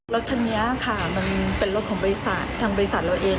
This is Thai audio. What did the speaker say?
รถคันนี้ค่ะมันเป็นรถของบริษัททางบริษัทเราเอง